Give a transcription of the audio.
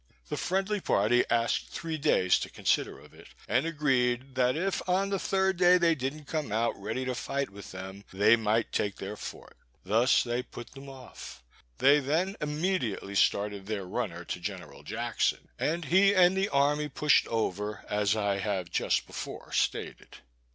The friendly party asked three days to consider of it, and agreed that if on the third day they didn't come out ready to fight with them, they might take their fort. Thus they put them off. They then immediately started their runner to General Jackson, and he and the army pushed over, as I have just before stated.